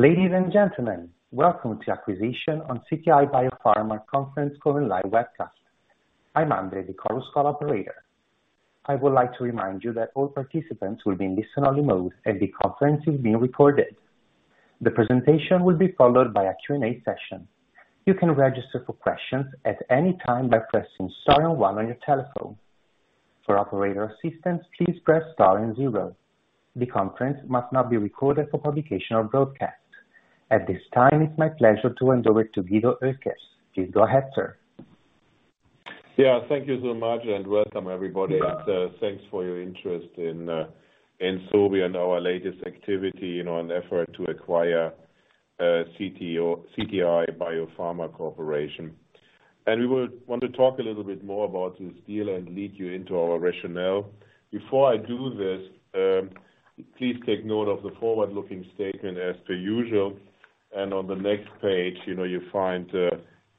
Ladies and gentlemen, welcome to Acquisition on CTI BioPharma conference call and live webcast. I'm Andre, the Chorus Call operator. I would like to remind you that all participants will be in listen-only mode and the conference is being recorded. The presentation will be followed by a Q&A session. You can register for questions at any time by pressing star one on your telephone. For operator assistance, please press star zero. The conference must not be recorded for publication or broadcast. At this time, it's my pleasure to hand over to Guido Oelkers. Please go ahead, sir. Thank you so much and welcome everybody. Thanks for your interest in Sobi and our latest activity in our effort to acquire CTI BioPharma Corporation. We would want to talk a little bit more about this deal and lead you into our rationale. Before I do this, please take note of the forward-looking statement as per usual. On the next page, you know, you find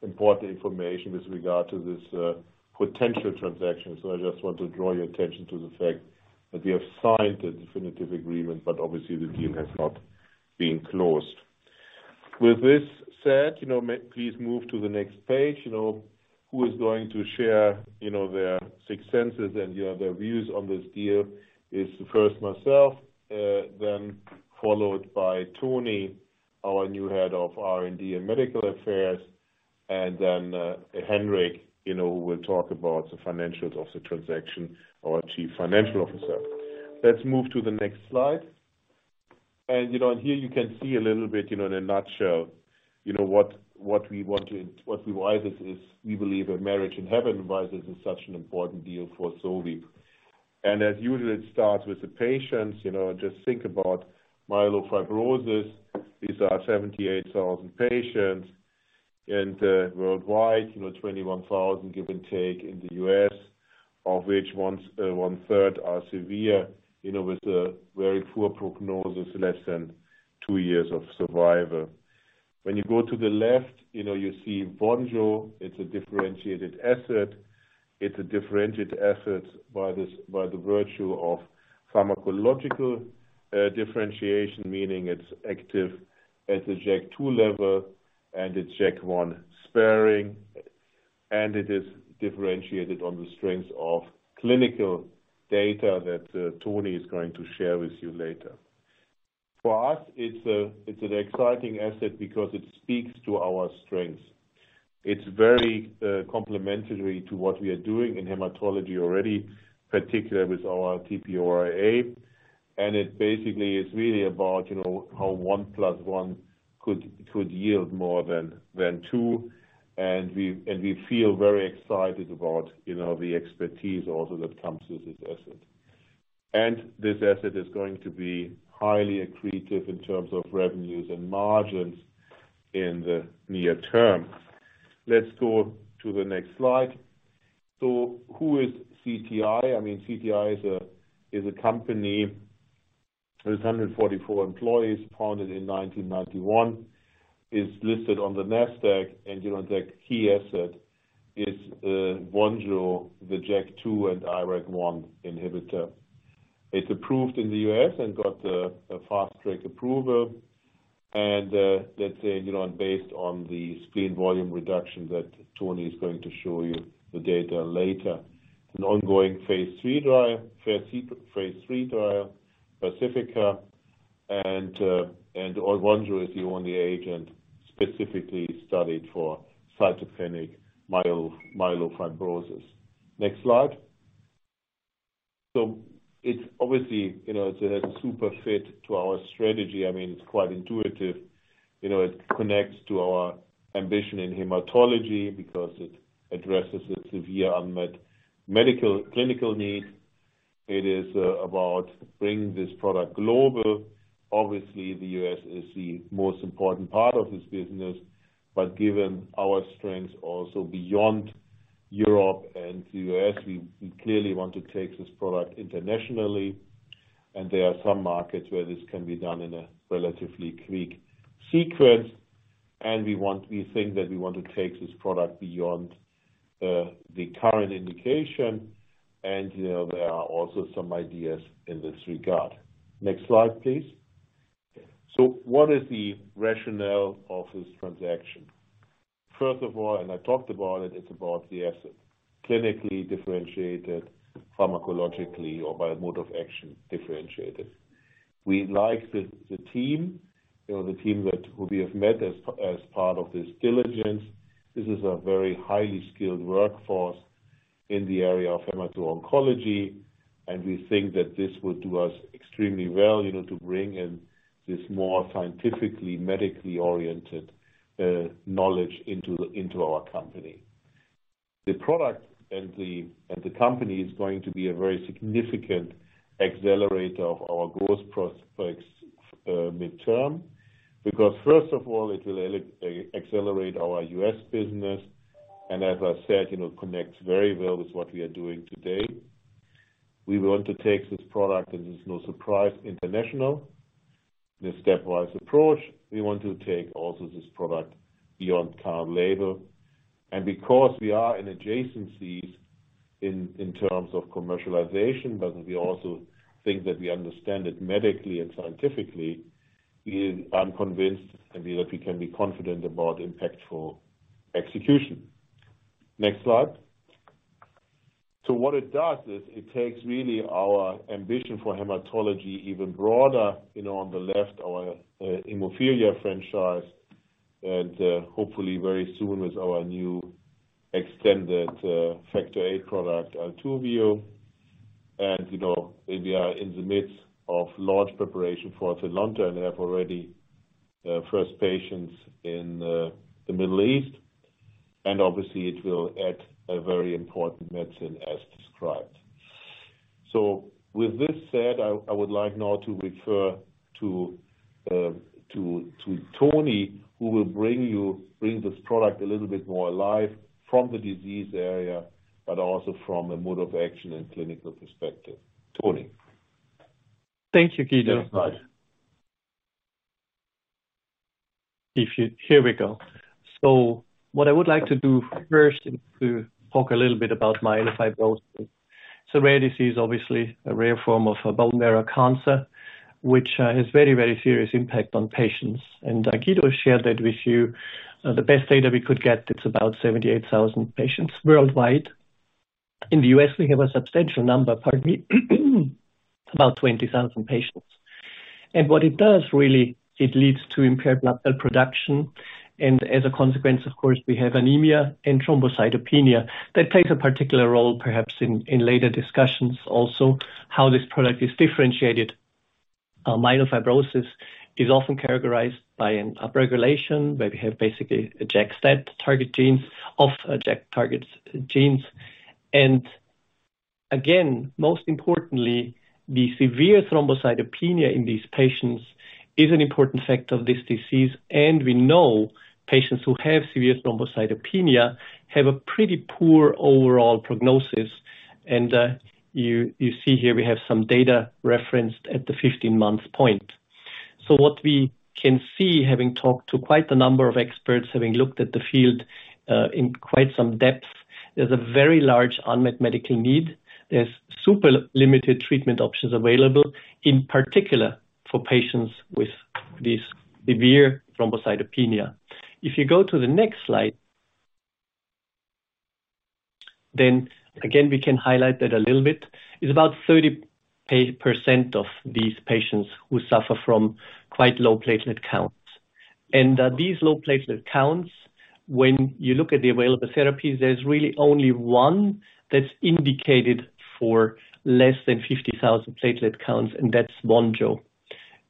important information with regard to this potential transaction. I just want to draw your attention to the fact that we have signed a definitive agreement, but obviously the deal has not been closed. With this said, you know, please move to the next page. You know, who is going to share, you know, their sixth senses and yeah, their views on this deal is first myself, then followed by Tony, our new Head of R&D and Medical Affairs, and then Henrik, you know, will talk about the financials of the transaction, our Chief Financial Officer. Let's move to the next slide. You know, and here you can see a little bit, you know, in a nutshell, you know, why this is we believe a marriage in heaven, why this is such an important deal for Sobi. As usual, it starts with the patients. You know, just think about myelofibrosis. These are 78,000 patients and worldwide, you know, 21,000, give or take, in the U.S., of which one-third are severe, you know, with a very poor prognosis, less than two years of survival. When you go to the left, you know, you see VONJO, it's a differentiated asset. It's a differentiated asset by this, by the virtue of pharmacological differentiation, meaning it's active at the JAK2 level and it's JAK1 sparing, and it is differentiated on the strengths of clinical data that Tony is going to share with you later. For us, it's an exciting asset because it speaks to our strengths. It's very complementary to what we are doing in hematology already, particularly with our TPO-RA. It basically is really about, you know, how one plus one could yield more than two. We feel very excited about, you know, the expertise also that comes with this asset. This asset is going to be highly accretive in terms of revenues and margins in the near term. Let's go to the next slide. Who is CTI? I mean, CTI is a company with 144 employees, founded in 1991, is listed on the Nasdaq. You know, the key asset is VONJO, the JAK2 and IRAK1 inhibitor. It's approved in the U.S. and got a fast-track approval and, let's say, you know, based on the spleen volume reduction that Tony is going to show you the data later. An ongoing phase III trial, PACIFICA, and VONJO is the only agent specifically studied for cytopenic myelofibrosis. Next slide. It's obviously, you know, it's a super fit to our strategy. I mean, it's quite intuitive. You know, it connects to our ambition in hematology because it addresses a severe unmet medical clinical need. It is about bringing this product global. Obviously, the U.S. is the most important part of this business, but given our strengths also beyond Europe and the U.S., we clearly want to take this product internationally. There are some markets where this can be done in a relatively quick sequence. We think that we want to take this product beyond the current indication. You know, there are also some ideas in this regard. Next slide, please. What is the rationale of this transaction? First of all, I talked about it's about the asset. Clinically differentiated, pharmacologically or by mode of action differentiated. We like the team, you know, the team that who we have met as part of this diligence. This is a very highly skilled workforce in the area of hematology-oncology, and we think that this would do us extremely well, you know, to bring in this more scientifically medically oriented knowledge into our company. The product and the company is going to be a very significant accelerator of our growth prospects midterm because first of all, it will accelerate our U.S. business and as I said, you know, connects very well with what we are doing today. We want to take this product, and it's no surprise, international. The stepwise approach, we want to take also this product beyond current label. Because we are in adjacencies in terms of commercialization, but we also think that we understand it medically and scientifically, is I'm convinced that we can be confident about impactful execution. Next slide. What it does is it takes really our ambition for hematology even broader. You know, on the left, our hemophilia franchise, and hopefully very soon with our new extended Factor VIII product, ALTUVIIO. You know, we are in the midst of large preparation for it. In London, they have already first patients in the Middle East, obviously it will add a very important medicine as described. With this said, I would like now to refer to Tony, who will bring this product a little bit more alive from the disease area, but also from a mode of action and clinical perspective. Tony. Thank you, Guido. Yeah, right. Here we go. What I would like to do first is to talk a little bit about myelofibrosis. It's a rare disease, obviously a rare form of bone marrow cancer, which has very, very serious impact on patients. Guido shared that with you. The best data we could get, it's about 78,000 patients worldwide. In the U.S., we have a substantial number, pardon me, about 20,000 patients. What it does, really, it leads to impaired blood cell production, and as a consequence, of course, we have anemia and thrombocytopenia. That plays a particular role, perhaps in later discussions also, how this product is differentiated. Myelofibrosis is often characterized by an upregulation, where we have basically a JAK-STAT target genes of a JAK target genes. Again, most importantly, the severe thrombocytopenia in these patients is an important factor of this disease. We know patients who have severe thrombocytopenia have a pretty poor overall prognosis. You, you see here we have some data referenced at the 15-month point. What we can see, having talked to quite a number of experts, having looked at the field in quite some depth, there's a very large unmet medical need. There's super limited treatment options available, in particular for patients with this severe thrombocytopenia. If you go to the next slide, again, we can highlight that a little bit. It's about 30% of these patients who suffer from quite low platelet counts. These low platelet counts, when you look at the available therapies, there's really only one that's indicated for less than 50,000 platelet counts, and that's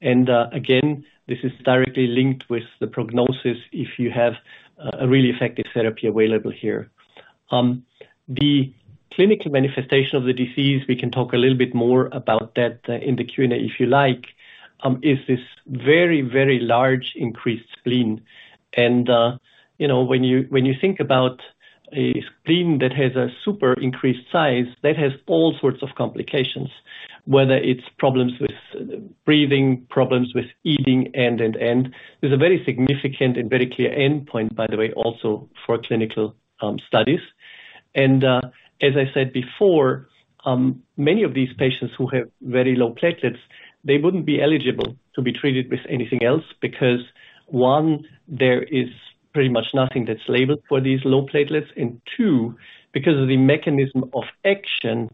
VONJO. Again, this is directly linked with the prognosis if you have a really effective therapy available here. The clinical manifestation of the disease, we can talk a little bit more about that in the Q&A if you like, is this very, very large increased spleen. You know, when you think about a spleen that has a super increased size, that has all sorts of complications, whether it's problems with breathing, problems with eating, and. There's a very significant and very clear endpoint, by the way, also for clinical studies. As I said before, many of these patients who have very low platelets, they wouldn't be eligible to be treated with anything else. Because, one, there is pretty much nothing that's labeled for these low platelets. Two, because of the mechanism of action,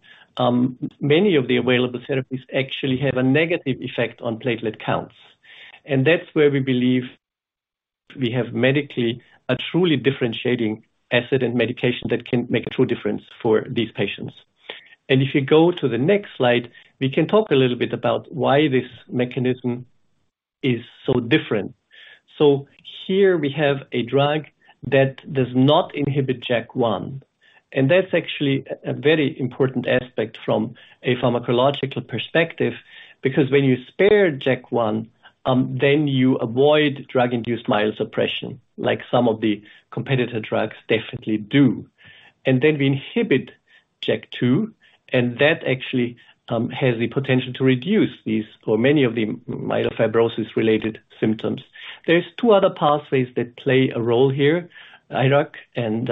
many of the available therapies actually have a negative effect on platelet counts. That's where we believe we have medically a truly differentiating asset and medication that can make a true difference for these patients. If you go to the next slide, we can talk a little bit about why this mechanism is so different. Here we have a drug that does not inhibit JAK1, and that's actually a very important aspect from a pharmacological perspective, because when you spare JAK1, then you avoid drug-induced myelosuppression, like some of the competitor drugs definitely do. Then we inhibit JAK2, and that actually has the potential to reduce these or many of the myelofibrosis-related symptoms. There's two other pathways that play a role here, IRAK and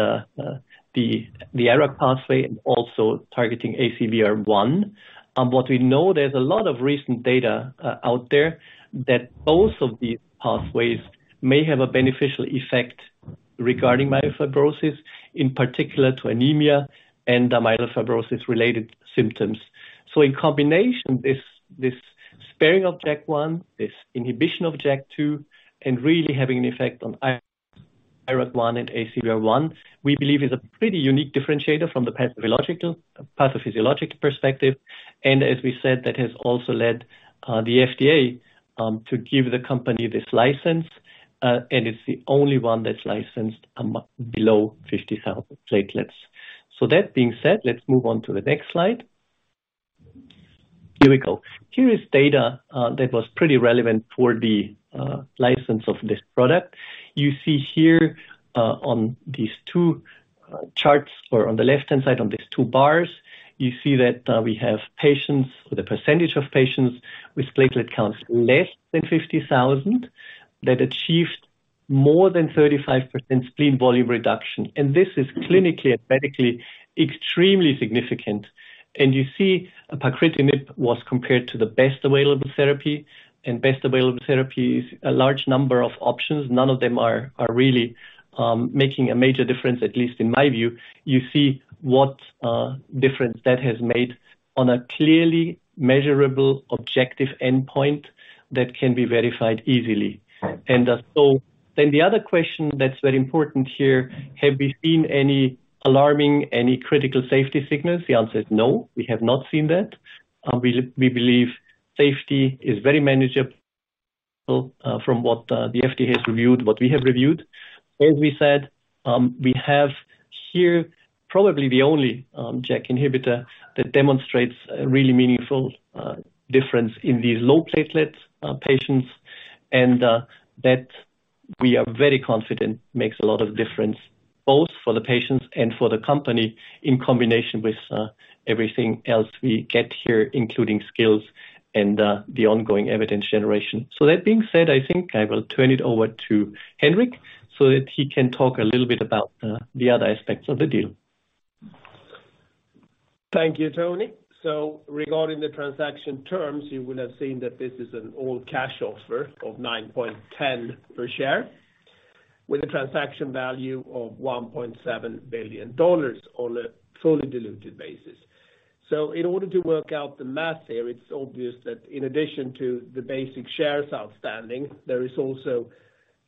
the IRAK pathway and also targeting ACVR1. What we know, there's a lot of recent data out there that both of these pathways may have a beneficial effect regarding myelofibrosis, in particular to anemia and myelofibrosis-related symptoms. In combination, this sparing of JAK1, this inhibition of JAK2, and really having an effect on IRAK, IRAK1 and ACVR1, we believe is a pretty unique differentiator from the pathophysiologic perspective. And as we said, that has also led the FDA to give the company this license, and it's the only one that's licensed below 50,000 platelets. That being said, let's move on to the next slide. Here we go. Here is data that was pretty relevant for the license of this product. You see here, on these two charts or on the left-hand side on these two bars- You see that we have patients, the percentage of patients with platelet counts less than 50,000 that achieved more than 35% spleen volume reduction. This is clinically and medically extremely significant. You see pacritinib was compared to the best available therapy, and best available therapy is a large number of options. None of them are really making a major difference, at least in my view. You see what difference that has made on a clearly measurable, objective endpoint that can be verified easily. Right. The other question that's very important here, have we seen any alarming, any critical safety signals? The answer is no. We have not seen that. We believe safety is very manageable, from what the FDA has reviewed, what we have reviewed. As we said, we have here probably the only JAK inhibitor that demonstrates a really meaningful difference in these low platelet patients. That we are very confident makes a lot of difference, both for the patients and for the company, in combination with everything else we get here, including skills and the ongoing evidence generation. That being said, I think I will turn it over to Henrik so that he can talk a little bit about the other aspects of the deal. Thank you, Tony. Regarding the transaction terms, you will have seen that this is an all-cash offer of $9.10 per share with a transaction value of $1.7 billion on a fully diluted basis. In order to work out the math here, it's obvious that in addition to the basic shares outstanding, there is also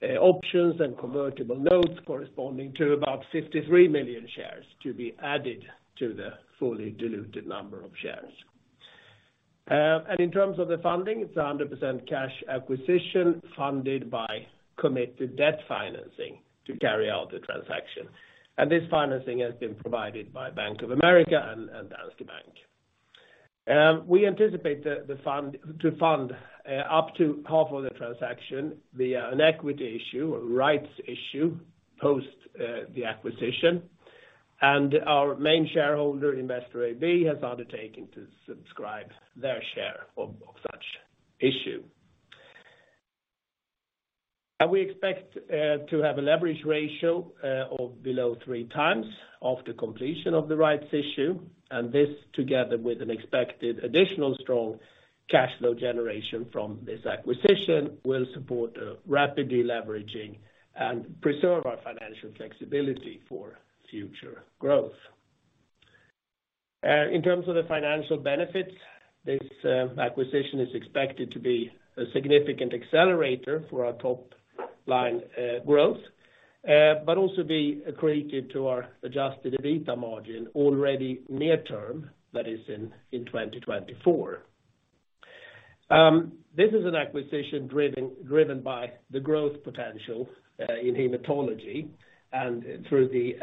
options and convertible notes corresponding to about 53 million shares to be added to the fully diluted number of shares. In terms of the funding, it's a 100% cash acquisition funded by committed debt financing to carry out the transaction. This financing has been provided by Bank of America and Danske Bank. We anticipate to fund up to half of the transaction via an equity issue, a rights issue, post the acquisition. Our main shareholder, Investor AB, has undertaken to subscribe their share of such issue. We expect to have a leverage ratio of below 3x after completion of the rights issue. This together with an expected additional strong cash flow generation from this acquisition will support a rapid deleveraging and preserve our financial flexibility for future growth. In terms of the financial benefits, this acquisition is expected to be a significant accelerator for our top-line growth, but also be accretive to our adjusted EBITDA margin already near term, that is in 2024. This is an acquisition driven by the growth potential in hematology and through the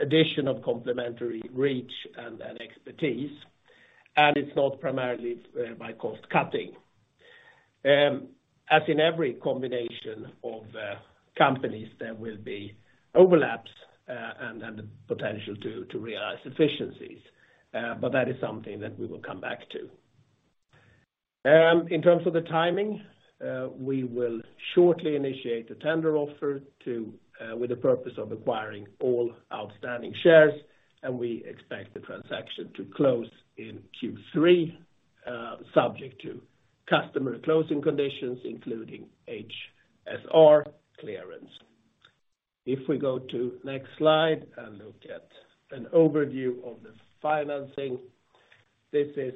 addition of complementary reach and expertise, and it's not primarily by cost cutting. As in every combination of companies, there will be overlaps and potential to realize efficiencies, that is something that we will come back to. In terms of the timing, we will shortly initiate a tender offer with the purpose of acquiring all outstanding shares, we expect the transaction to close in Q3, subject to customer closing conditions, including HSR clearance. If we go to next slide and look at an overview of the financing. This is,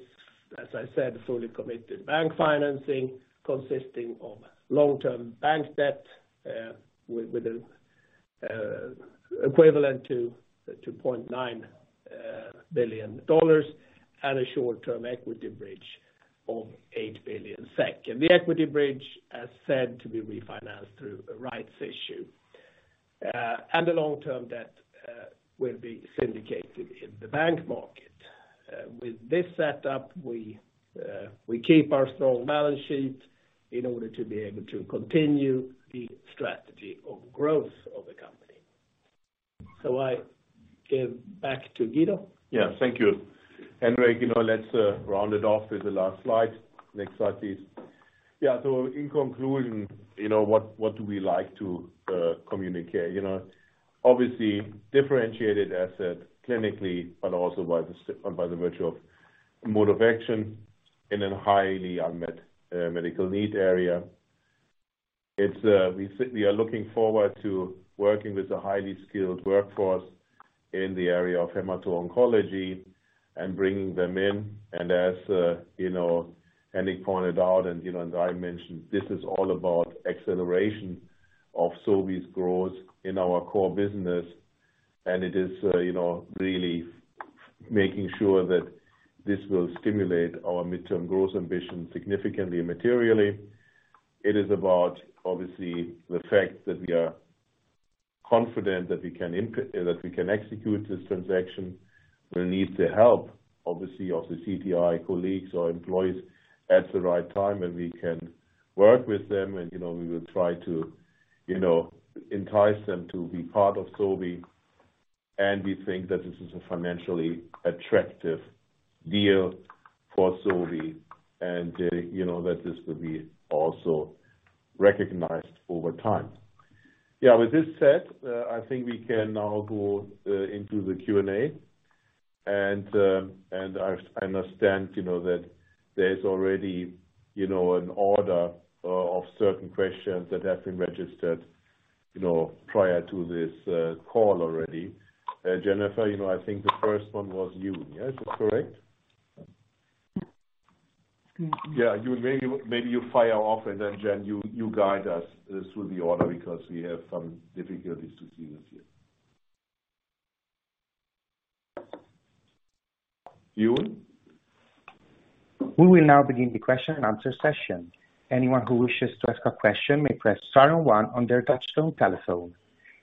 as I said, fully committed bank financing consisting of long-term bank debt with an equivalent to $2.9 billion and a short-term equity bridge of 8 billion SEK. The equity bridge as said to be refinanced through a rights issue. The long-term debt will be syndicated in the bank market. With this setup, we keep our strong balance sheet in order to be able to continue the strategy of growth of the company. I give back to Guido. Thank you. Henrik, you know, let's round it off with the last slide. Next slide, please. In conclusion, you know, what do we like to communicate? You know, obviously differentiated asset clinically, but also by the virtue of mode of action in a highly unmet medical need area. It's we are looking forward to working with a highly skilled workforce in the area of hematology-oncology and bringing them in. As, you know, Henrik pointed out and, you know, and I mentioned, this is all about acceleration of Sobi's growth in our core business, and it is, you know, really making sure that this will stimulate our midterm growth ambition significantly and materially. It is about obviously the fact that we are confident that we can execute this transaction. We need the help, obviously, of the CTI colleagues or employees at the right time, and we can work with them and, you know, we will try, You know, entice them to be part of Sobi, and we think that this is a financially attractive deal for Sobi and, you know, that this will be also recognized over time. Yeah. With this said, I think we can now go into the Q&A. I understand, you know, that there's already, you know, an order of certain questions that have been registered, you know, prior to this call already. Jennifer, you know, I think the first one was Yun. Yeah, is this correct? Mm-hmm. Yeah, Yun, maybe you fire off and then, Jen, you guide us through the order because we have some difficulties to see this here. Yun? We will now begin the question and answer session. Anyone who wishes to ask a question may press star and one on their touchtone telephone.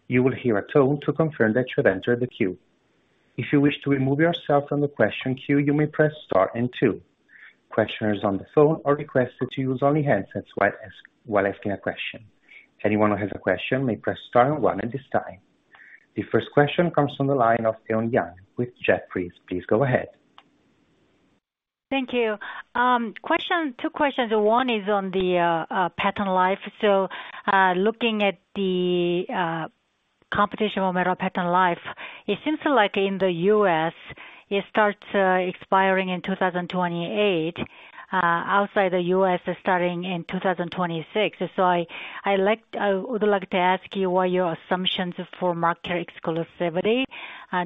You will hear a tone to confirm that you have entered the queue. If you wish to remove yourself from the question queue, you may press star and two. Questioners on the phone are requested to use only handsets while asking a question. Anyone who has a question may press star and one at this time. The first question comes from the line of Eun Yang with Jefferies. Please go ahead. Thank you. Two questions. One is on the patent life. Looking at the competition around patent life, it seems like in the U.S., it starts expiring in 2028, outside the U.S. starting in 2026. I would like to ask you what your assumptions for market exclusivity are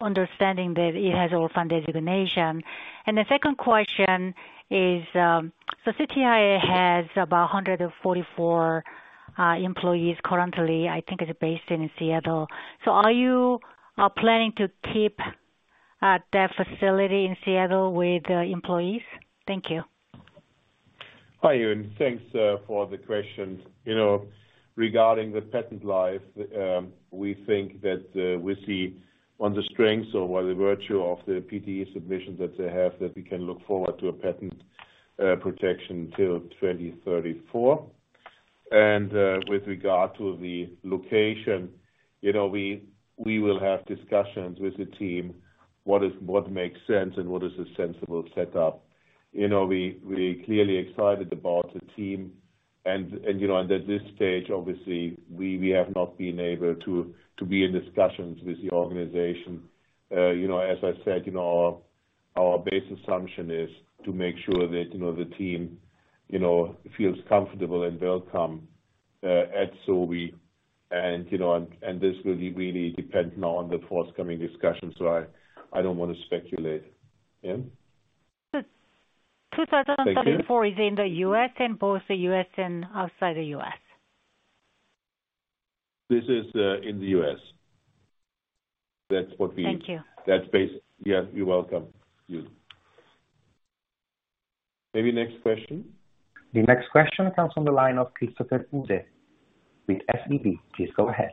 understanding that it has orphan designation. The second question is, CTI has about 144 employees currently, I think it's based in Seattle. Are you planning to keep that facility in Seattle with the employees? Thank you. Hi, Eun. Thanks for the questions. You know, regarding the patent life, we think that we see on the strength or by the virtue of the NDA submissions that they have, that we can look forward to a patent protection till 2034. With regard to the location, you know, we will have discussions with the team, what makes sense and what is a sensible setup. You know, we clearly excited about the team and, you know, and at this stage, obviously, we have not been able to be in discussions with the organization. You know, as I said, you know, our base assumption is to make sure that, you know, the team, you know, feels comfortable and welcome at Sobi. you know, and this will really depend now on the forthcoming discussions. I don't wanna speculate. Eun? The-. Thank you. 2034 is in the U.S. and both the U.S. and outside the U.S. This is, in the U.S., That's what. Thank you. That's base. You're welcome, Eun. Maybe next question. The next question comes from the line of Christopher Uhde with SEB. Please go ahead.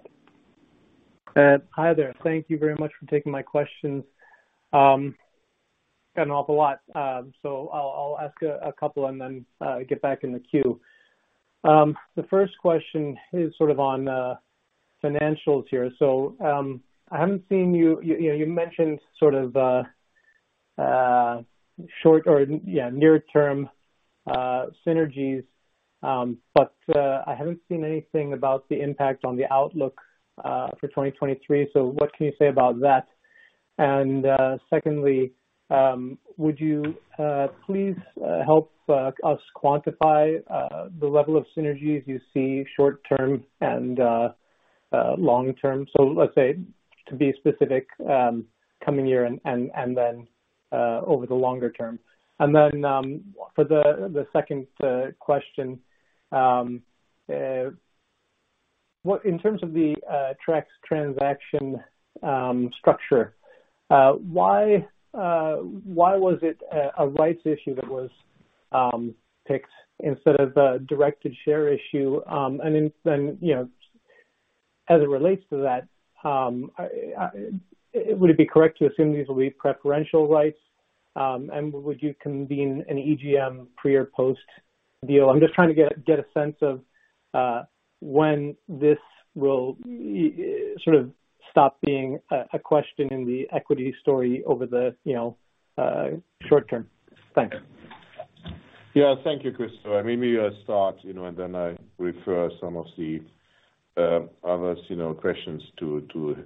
Hi there. Thank you very much for taking my questions. Got an awful lot, so I'll ask a couple and then get back in the queue. The first question is sort of on financials here. I haven't seen you... You know, you mentioned sort of short or, yeah, near term synergies. I haven't seen anything about the impact on the outlook for 2023. What can you say about that? Secondly, would you please help us quantify the level of synergies you see short term and long term? Let's say, to be specific, coming year and then over the longer term. For the second question, in terms of the Trexel transaction structure, why was it a rights issue that was picked instead of a directed share issue? Then, you know, as it relates to that, would it be correct to assume these will be preferential rights? Would you convene an EGM pre or post-deal? I'm just trying to get a sense of when this will sort of stop being a question in the equity story over the, you know, short term. Thanks. Yeah. Thank you, Christopher. Maybe I'll start, you know, and then I refer some of the others, you know, questions to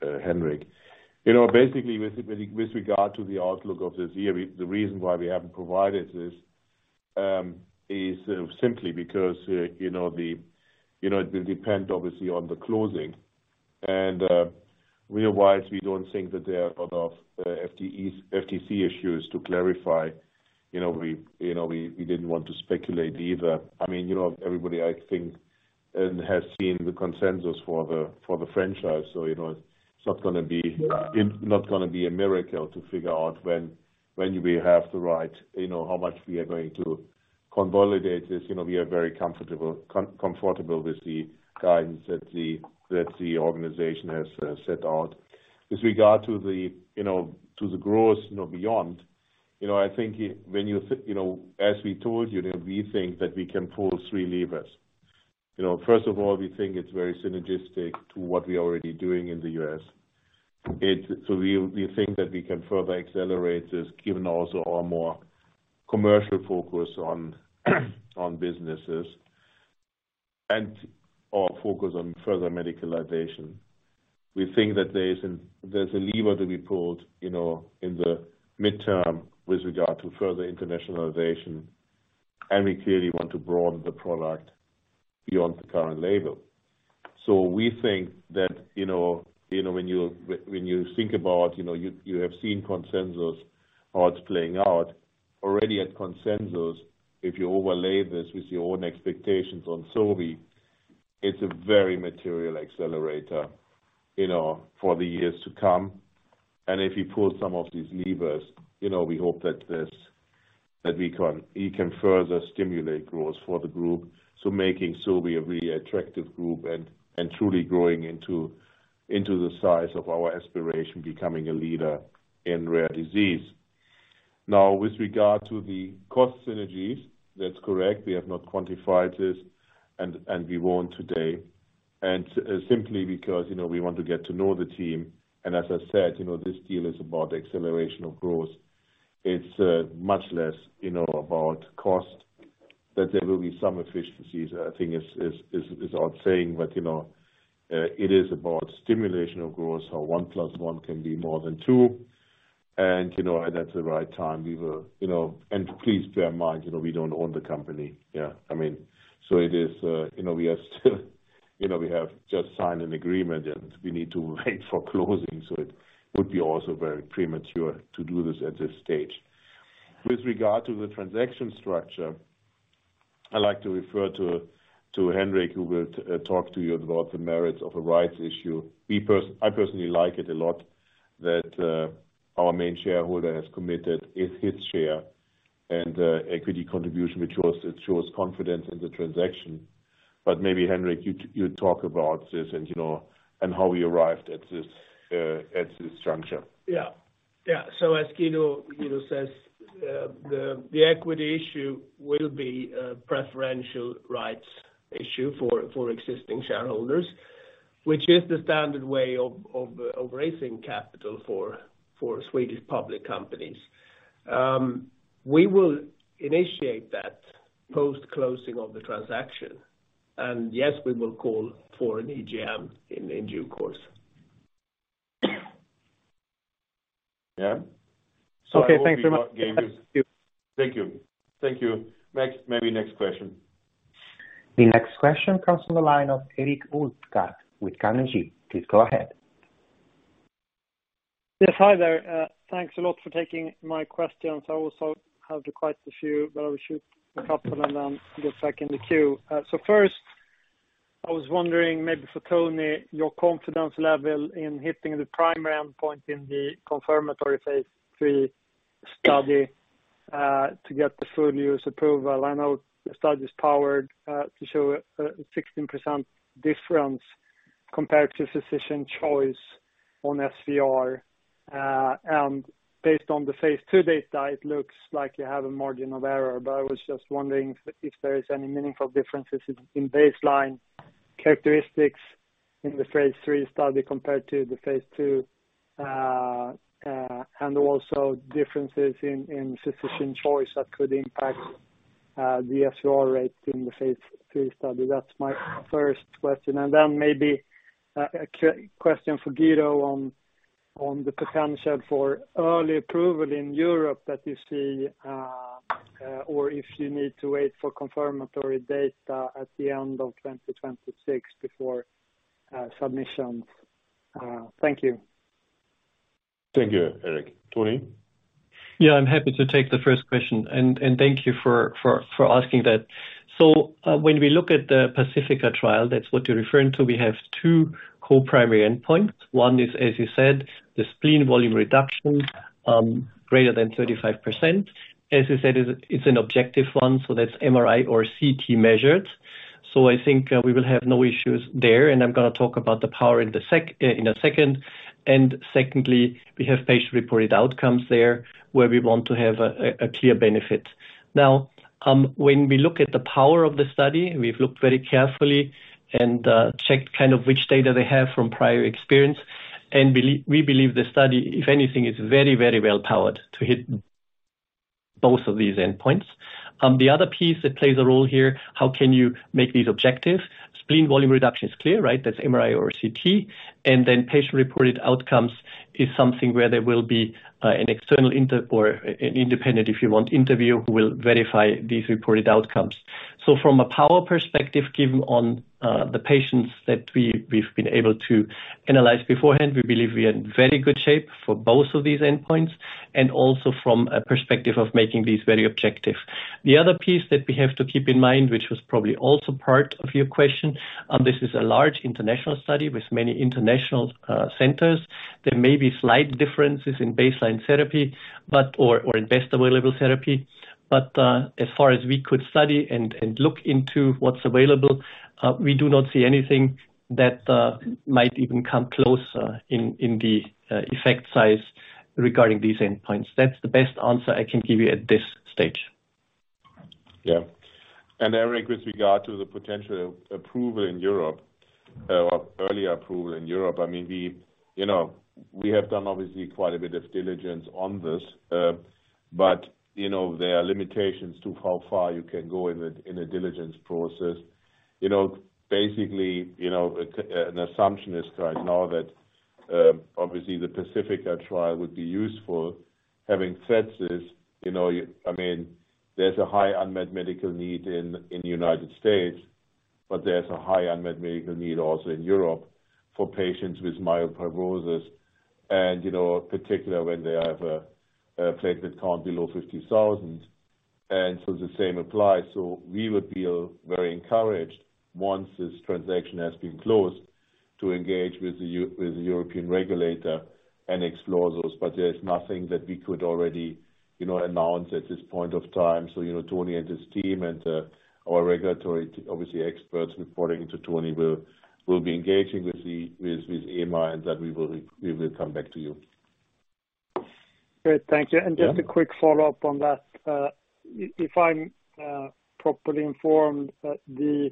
Henrik. You know, basically with regard to the outlook of this year, the reason why we haven't provided this is simply because, you know, it will depend obviously on the closing. We otherwise, we don't think that there are a lot of FTC issues to clarify. You know, we didn't want to speculate either. I mean, you know, everybody I think has seen the consensus for the franchise. It's not gonna be, it not gonna be a miracle to figure out when we have the right, you know, how much we are going to consolidate this. You know, we are very comfortable with the guidance that the organization has set out. With regard to the, you know, to the growth, you know. You know, I think when you know, as we told you, that we think that we can pull three levers. You know, first of all, we think it's very synergistic to what we're already doing in the U.S. We think that we can further accelerate this, given also our more commercial focus on businesses and our focus on further medicalization. We think that there's a lever to be pulled, you know, in the midterm with regard to further internationalization, and we clearly want to broaden the product beyond the current label. We think that, you know, when you think about, you have seen consensus, how it's playing out. Already at consensus, if you overlay this with your own expectations on Sobi, it's a very material accelerator, you know, for the years to come. If you pull some of these levers, you know, we hope that this, that we can further stimulate growth for the group, so making Sobi a really attractive group and truly growing into the size of our aspiration, becoming a leader in rare disease. Now, with regard to the cost synergies, that's correct. We have not quantified this and we won't today. Simply because, you know, we want to get to know the team. As I said, you know, this deal is about acceleration of growth. It's much less, you know, about cost, but there will be some efficiencies, I think is worth saying. You know, it is about stimulation of growth, so one plus one can be more than two. You know, at the right time, we will, you know... Please bear in mind, you know, we don't own the company. Yeah. I mean... It is You know, we are still, you know, we have just signed an agreement, and we need to wait for closing. It would be also very premature to do this at this stage. With regard to the transaction structure, I like to refer to Henrik, who will talk to you about the merits of a rights issue. I personally like it a lot that our main shareholder has committed with his share and equity contribution, it shows confidence in the transaction. Maybe, Henrik, you talk about this and, you know, and how we arrived at this at this juncture. Yeah. Yeah. As Guido, you know, says, the equity issue will be a preferential rights issue for existing shareholders, which is the standard way of raising capital for Swedish public companies. We will initiate that post-closing of the transaction. Yes, we will call for an EGM in due course. Yeah. Okay. Thanks very much. Thank you. Thank you. Maybe next question. The next question comes from the line of Erik Hultgård with Carnegie. Please go ahead. Yes. Hi there. Thanks a lot for taking my questions. I also have quite a few, but I will shoot a couple and then get back in the queue. First, I was wondering, maybe for Tony, your confidence level in hitting the primary endpoint in the confirmatory phase III study to get the full U.S. approval. I know the study is powered to show a 16% difference compared to physician choice on SVR. And based on the phase II data, it looks like you have a margin of error. But I was just wondering if there is any meaningful differences in baseline characteristics in the phase III study compared to the phase II. And also differences in physician choice that could impact the SVR rates in the phase III study. That's my first question. Then maybe a question for Guido on the potential for early approval in Europe that you see, or if you need to wait for confirmatory data at the end of 2026 before submissions. Thank you. Thank you, Erik. Tony. Yeah, I'm happy to take the first question. Thank you for asking that. When we look at the PACIFICA trial, that's what you're referring to, we have two co-primary endpoints. One is, as you said, the spleen volume reduction, greater than 35%. As you said, it's an objective one, so that's MRI or CT measured. I think we will have no issues there, and I'm gonna talk about the power in a second. Secondly, we have patient-reported outcomes there, where we want to have a clear benefit. Now, when we look at the power of the study, we've looked very carefully and checked kind of which data they have from prior experience. We believe the study, if anything, is very well powered to hit both of these endpoints. The other piece that plays a role here, how can you make these objective? Spleen volume reduction is clear, right? That's MRI or CT. Then patient-reported outcomes is something where there will be an external or an independent, if you want, interview who will verify these reported outcomes. From a power perspective, given on the patients that we've been able to analyze beforehand, we believe we are in very good shape for both of these endpoints and also from a perspective of making these very objective. The other piece that we have to keep in mind, which was probably also part of your question, this is a large international study with many international centers. There may be slight differences in baseline therapy or in best available therapy. As far as we could study and look into what's available, we do not see anything that might even come close in the effect size regarding these endpoints. That's the best answer I can give you at this stage. Yeah. Erik, with regard to the potential approval in Europe, or early approval in Europe, I mean, we, you know, we have done obviously quite a bit of diligence on this. You know, there are limitations to how far you can go in a diligence process. You know, basically, you know, an assumption is right now that obviously the PACIFICA trial would be useful. Having said this, you know, I mean, there's a high unmet medical need in the United States, but there's a high unmet medical need also in Europe for patients with myeloproliferative. You know, particular when they have a platelet count below 50,000. The same applies. We would feel very encouraged once this transaction has been closed, to engage with the European regulator and explore those. There is nothing that we could already, you know, announce at this point of time. You know, Tony and his team and our regulatory obviously experts reporting to Tony will be engaging with the EMA, and then we will come back to you. Great. Thank you. Yeah. Just a quick follow-up on that. If I'm properly informed that the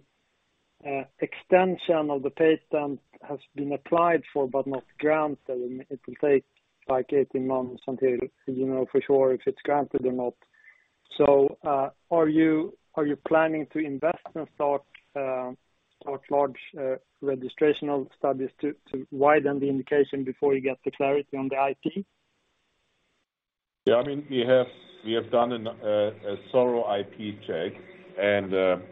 extension of the patent has been applied for but not granted, and it will take like 18-months until you know for sure if it's granted or not. Are you planning to invest and start large registrational studies to widen the indication before you get the clarity on the IP? Yeah. I mean, we have done a thorough IP check.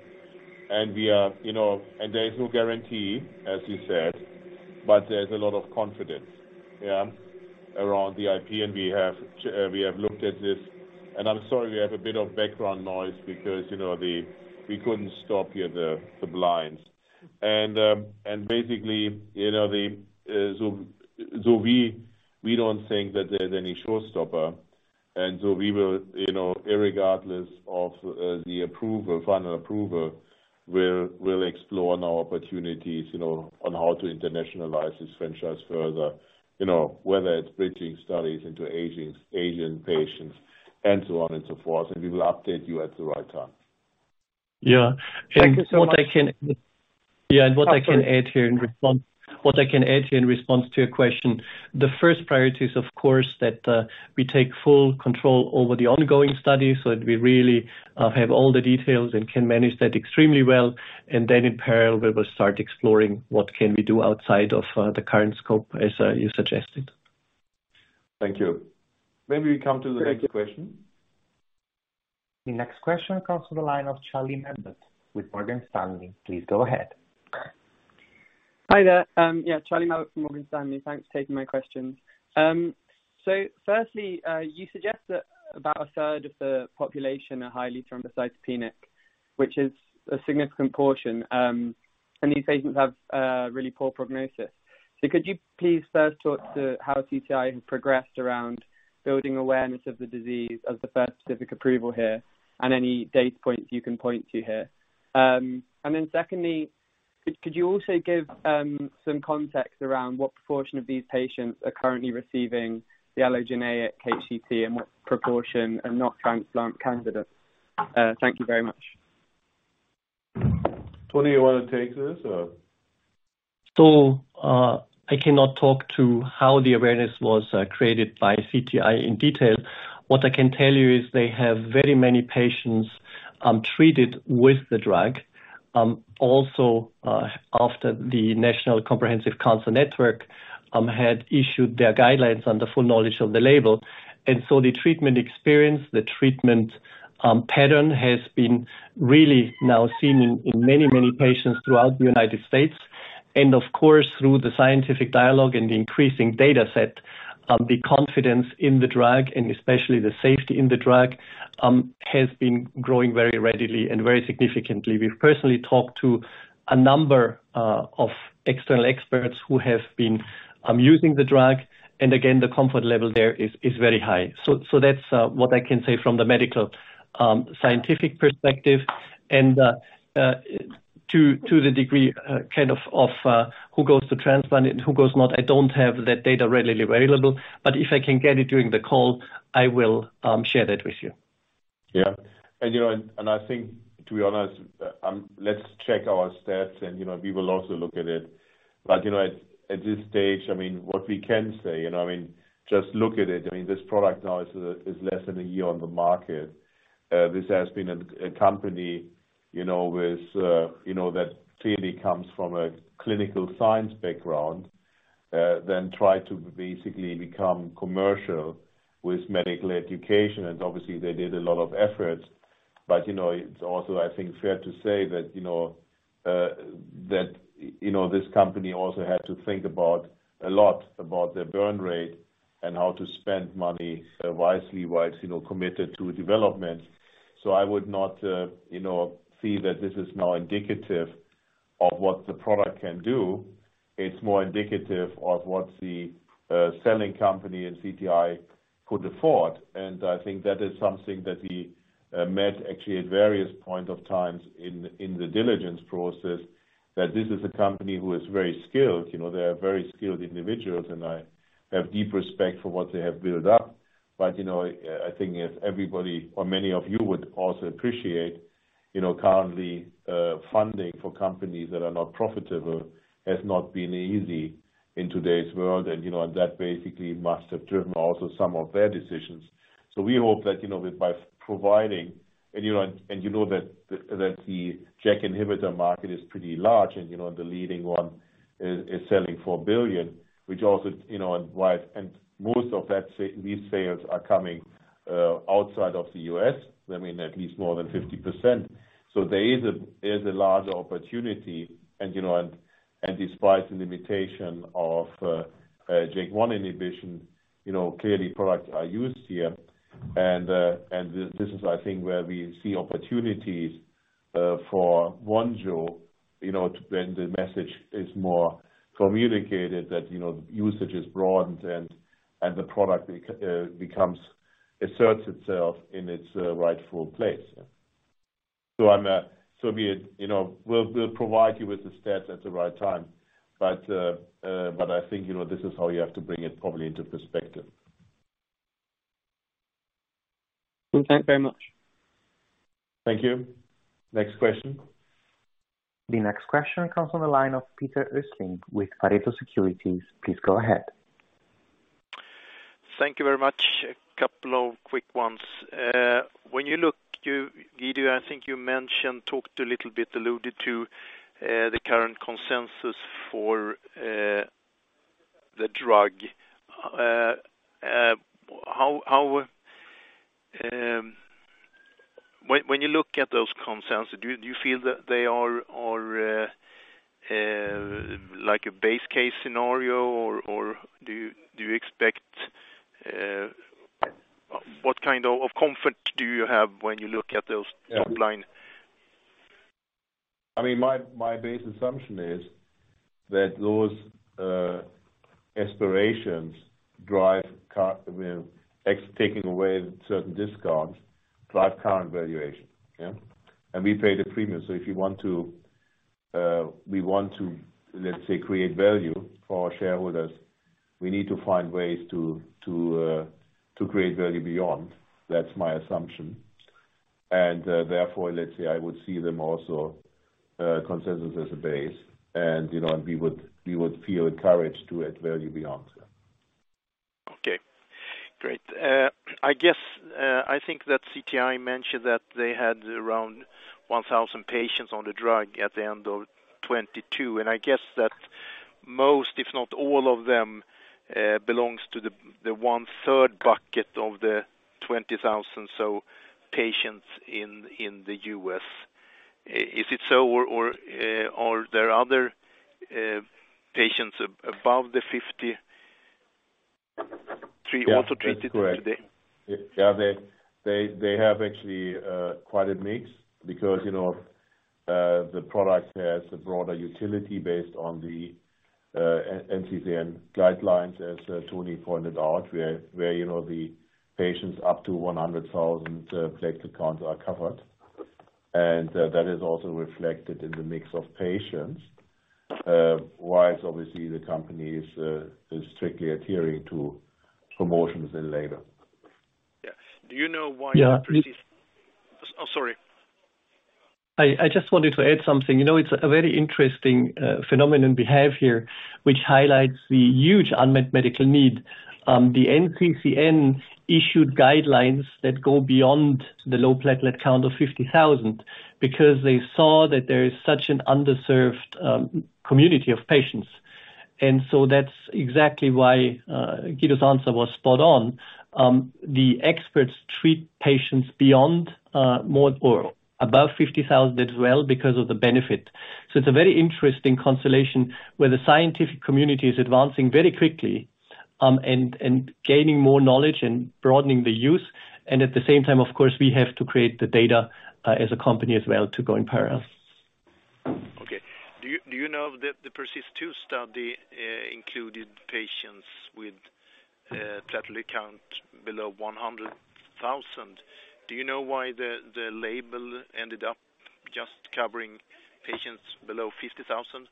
We are, you know... There is no guarantee, as you said, but there's a lot of confidence, yeah, around the IP. We have looked at this. I'm sorry we have a bit of background noise because, you know, we couldn't stop here the blinds. Basically, you know, the, so we don't think that there's any showstopper. We will, you know, regardless of the approval, final approval, we'll explore now opportunities, you know, on how to internationalize this franchise further. You know, whether it's bridging studies into Asian patients and so on and so forth, we will update you at the right time. Yeah. Thank you so much. What I. Oh, sorry. Yeah, what I can add here in response to your question, the first priority is of course, that we take full control over the ongoing study so that we really have all the details and can manage that extremely well. In parallel, we will start exploring what can we do outside of the current scope as you suggested. Thank you. May we come to the next question? The next question comes to the line of Charlie Mellert with Morgan Stanley. Please go ahead. Hi there. Yeah, Charlie Mellert from Morgan Stanley. Thanks for taking my questions. Firstly, you suggest that about a third of the population are highly thrombocytopenic, which is a significant portion, and these patients have really poor prognosis. Could you please first talk to how CTI has progressed around building awareness of the disease as the first specific approval here, and any data points you can point to here. Secondly, could you also give some context around what proportion of these patients are currently receiving the allogeneic HCT and what proportion are not transplant candidates? Thank you very much. Tony, you wanna take this, or? I cannot talk to how the awareness was created by CTI in detail. What I can tell you is they have very many patients treated with the drug. Also, after the National Comprehensive Cancer Network had issued their guidelines on the full knowledge of the label. The treatment experience, the treatment pattern has been really now seen in many patients throughout the United States. Of course, through the scientific dialogue and the increasing data set, the confidence in the drug and especially the safety in the drug has been growing very readily and very significantly. We've personally talked to a number of external experts who have been using the drug, and again, the comfort level there is very high. That's what I can say from the medical, scientific perspective. To the degree kind of who goes to transplant and who goes not, I don't have that data readily available. If I can get it during the call, I will share that with you. Yeah. You know, and I think to be honest, let's check our stats and, you know, we will also look at it. You know, at this stage, I mean, what we can say, you know what I mean, just look at it. I mean, this product now is less than a year on the market. This has been a company, you know, with, you know, that clearly comes from a clinical science background, then try to basically become commercial with medical education. Obviously, they did a lot of efforts. You know, it's also, I think, fair to say that, you know, that, you know, this company also had to think about, a lot about their burn rate and how to spend money, wisely whilst, you know, committed to development. I would not, you know, see that this is now indicative of what the product can do. It's more indicative of what the selling company and CTI could afford. I think that is something that we met actually at various point of times in the diligence process. This is a company who is very skilled, you know, they are very skilled individuals, and I have deep respect for what they have built up. I think if everybody or many of you would also appreciate, you know, currently, funding for companies that are not profitable has not been easy in today's world. You know, and that basically must have driven also some of their decisions. We hope that, you know, by providing, and you know that the JAK inhibitor market is pretty large and, you know, the leading one is selling 4 billion, which also, you know, and most of these sales are coming outside of the U.S., I mean, at least more than 50%. There's a large opportunity and you know, and despite the limitation of JAK1 inhibition, you know, clearly products are used here. This is I think, where we see opportunities for Vonjo, you know, to when the message is more communicated that, you know, usage is broadened and the product becomes, asserts itself in its rightful place. I'm, so we, you know, we'll provide you with the stats at the right time. I think, you know, this is how you have to bring it probably into perspective. Thanks very much. Thank you. Next question. The next question comes from the line of Peter Östling with Pareto Securities. Please go ahead. Thank you very much. A couple of quick ones. When you look, Guido, I think you mentioned, talked a little bit, alluded to the current consensus for the drug. When you look at those consensus, do you feel that they are like a base case scenario or do you expect what kind of comfort do you have when you look at those top line? I mean, my base assumption is that those aspirations drive taking away certain discounts, drive current valuation, yeah. We pay the premium, so if you want to, we want to, let's say create value for our shareholders, we need to find ways to create value beyond. That's my assumption. Therefore, let's say I would see them also consensus as a base, you know, we would feel encouraged to add value beyond. Okay, great. I guess, I think that CTI mentioned that they had around 1,000 patients on the drug at the end of 2022, and I guess that most if not all of them belongs to the one-third bucket of the 20,000 so patients in the U.S., Is it so or, are there other patients above the 53 also treated today? Yeah. That's correct. Yeah. They have actually quite a mix because, you know, the product has a broader utility based on the NCCN guidelines as Tony pointed out, where, you know, the patients up to 100,000 platelet count are covered. That is also reflected in the mix of patients, whilst obviously the company is strictly adhering to promotions and label. Yeah. Do you know why- Yeah. Oh, sorry. I just wanted to add something. You know, it's a very interesting phenomenon we have here, which highlights the huge unmet medical need. The NCCN issued guidelines that go beyond the low platelet count of 50,000 because they saw that there is such an underserved community of patients. That's exactly why Guido's answer was spot on. The experts treat patients beyond more or above 50,000 as well because of the benefit. It's a very interesting constellation where the scientific community is advancing very quickly and gaining more knowledge and broadening the use. At the same time, of course, we have to create the data as a company as well to go in parallel. Okay. Do you know the PERSIST-2 study included patients with platelet count below 100,000? Do you know why the label ended up just covering patients below 50,000?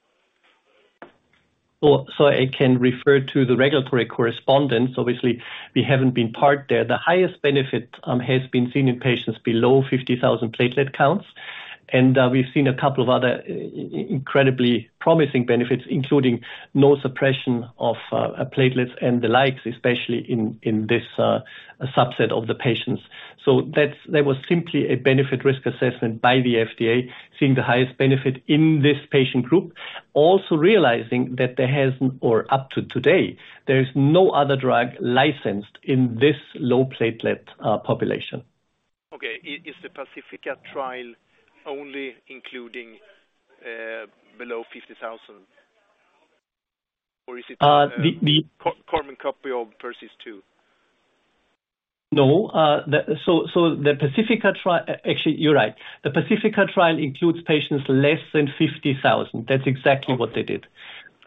I can refer to the regulatory correspondence. Obviously, we haven't been part there. The highest benefit has been seen in patients below 50,000 platelet counts. We've seen a couple of other incredibly promising benefits, including no suppression of platelets and the likes, especially in this subset of the patients. That's, there was simply a benefit risk assessment by the FDA seeing the highest benefit in this patient group. Also realizing that there hasn't or up to today, there is no other drug licensed in this low platelet population. Okay. Is the PACIFICA trial only including below 50,000 or is it? Uh, the, the. Common copy of PERSIST-2? No. the PACIFICA actually, you're right. The PACIFICA trial includes patients less than 50,000. That's exactly what they did.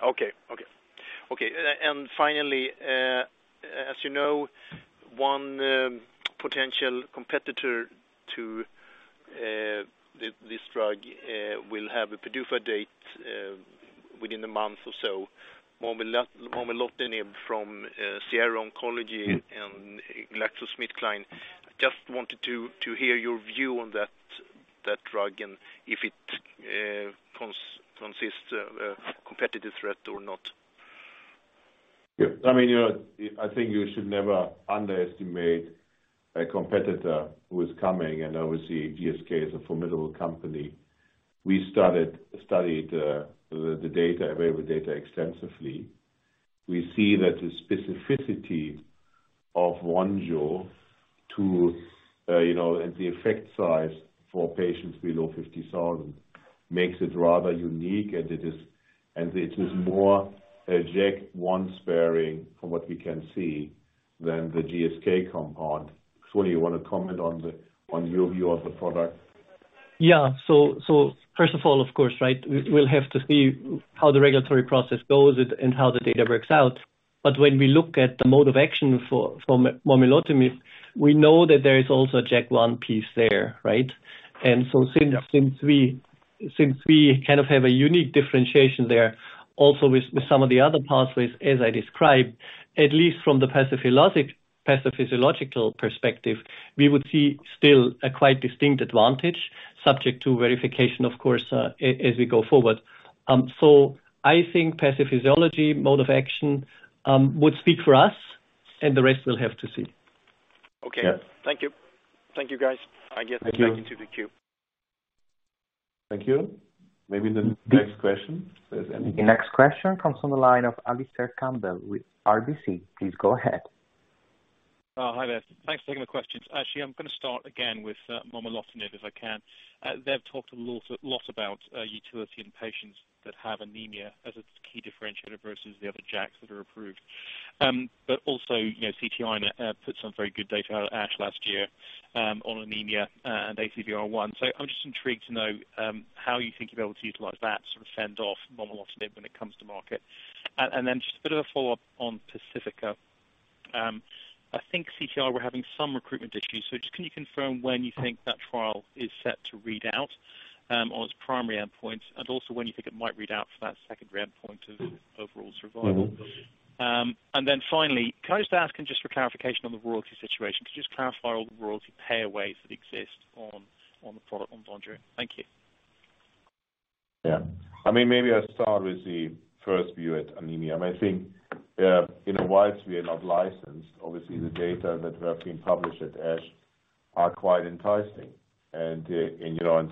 Okay. Okay. Okay. finally, As you know, one potential competitor to this drug will have a PDUFA date within a month or so. Momelotinib from Sierra Oncology and GlaxoSmithKline. Just wanted to hear your view on that drug and if it consists of a competitive threat or not. Yeah. I mean, you know, I think you should never underestimate a competitor who is coming, and obviously GSK is a formidable company. We studied the available data extensively. We see that the specificity of VONJO to, you know, and the effect size for patients below 50,000 makes it rather unique, and it is more a JAK1 sparing from what we can see than the GSK compound. Tony, you want to comment on your view of the product? Yeah. First of all, of course, right, we'll have to see how the regulatory process goes and how the data works out. When we look at the mode of action for momelotinib, we know that there is also a JAK1 piece there, right? Since we kind of have a unique differentiation there, also with some of the other pathways, as I described, at least from the pathophysiological perspective, we would see still a quite distinct advantage subject to verification, of course, as we go forward. I think pathophysiology, mode of action, would speak for us, and the rest we'll have to see. Okay. Yeah. Thank you. Thank you, guys. Thank you. I guess back into the queue. Thank you. Maybe the next question, if there's any. The next question comes from the line of Alistair Campbell with RBC. Please go ahead. Hi there. Thanks for taking the questions. Actually, I'm gonna start again with momelotinib, if I can. They've talked a lot about utility in patients that have anemia as a key differentiator versus the other JAKs that are approved. But also, you know, CTI put some very good data out at ASH last year on anemia and ACVR1. I'm just intrigued to know how you think you'll be able to utilize that to fend off momelotinib when it comes to market. Then just a bit of a follow-up on PACIFICA. I think CTI were having some recruitment issues. Just can you confirm when you think that trial is set to read out on its primary endpoints and also when you think it might read out for that secondary endpoint of overall survival? Finally, can I just ask and just for clarification on the royalty situation, could you just clarify all the royalty pay ways that exist on the product, on VONJO? Thank you. I mean, maybe I start with the first view at anemia. I think, in a wide sphere, not licensed. Obviously, the data that have been published at ASH are quite enticing. You know,